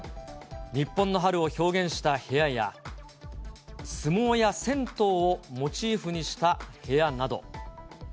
日本の春を表現した部屋や、相撲や銭湯をモチーフにした部屋など。